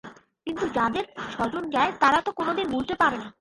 কিন্তু যাদের স্বজন যায়, তারা তো কোনো দিন ভুলতে পারে না।